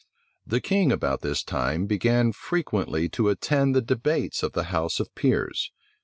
The king about this time began frequently to attend the debates of the house of peers.